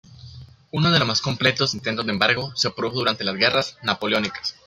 Uno de los más completos intentos de embargo se produjo durante las guerras napoleónicas.